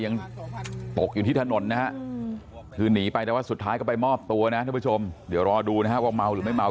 ยังปลกอยู่ที่ถนนคือนีไปแต่สุดท้ายก็ไปมอบตัวนะเดี๋ยวรอดูนะไหว่